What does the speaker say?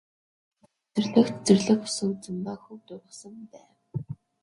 Цэцэрлэгт зэрлэг усан үзэм ба хөвд ургасан байв.